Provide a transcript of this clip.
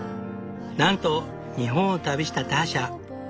なんと日本を旅したターシャ。